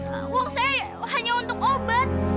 wah uang saya hanya untuk obat